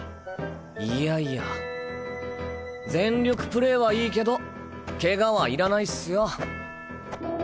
いやいや全力プレーはいいけどケガはいらないっスよ。